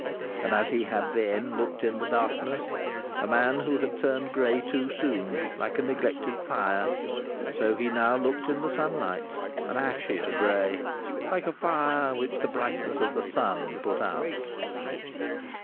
And as he had then looked in the darkness, a man who had turned grey too soon, like a neglected fire: so he now looked in the sunlight, an ashier grey, like a fire which the brightness of the sun put out.